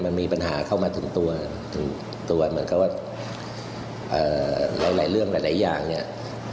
มันมีปัญหาเข้ามาถึงตัวถึงตัวเหมือนกับว่าหลายเรื่องหลายอย่างเนี่ย